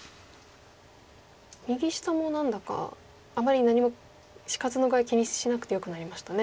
右下も何だかあまり何も死活の具合気にしなくてよくなりましたね。